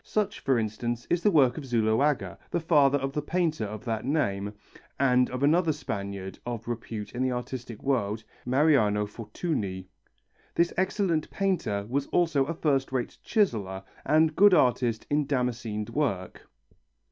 Such, for instance, is the work of Zuloaga, the father of the painter of that name, and of another Spaniard of repute in the artistic world, Mariano Fortuny. This excellent painter was also a first rate chiseller and good artist in damascened work.